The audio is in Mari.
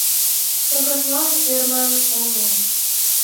Кагазлан ӧрман огыл.